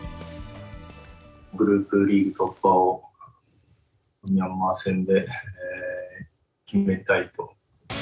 グループリーグ突破を、ミャンマー戦で決めたいと。